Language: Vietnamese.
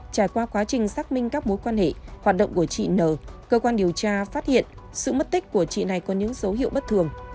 trải qua quá trình xác minh các mối quan hệ hoạt động của chị n cơ quan điều tra phát hiện sự mất tích của chị này có những dấu hiệu bất thường